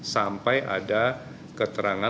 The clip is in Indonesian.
sampai ada keterangan